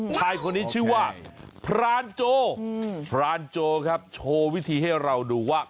ชายคนนี้ชื่อว่าพรานโจพรานโจครับโชว์วิธีให้เราดูว่า